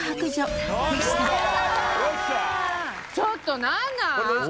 ちょっと何なん？